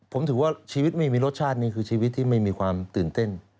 ผมถือว่าชีวิตไม่มีรสชาตินี่คือชีวิตที่ไม่มีความตื่นเต้น